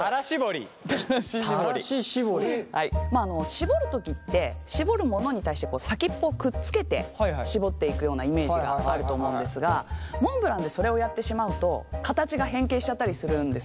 絞る時って絞るものに対して先っぽをくっつけて絞っていくようなイメージがあると思うんですがモンブランでそれをやってしまうと形が変形しちゃったりするんですね。